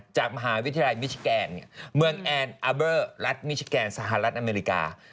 จากมหาวิทยาลัยมิชิแกนเมืองแอนอาร์เบอร์รัฐมิชิแกนสหรัฐอเมริกา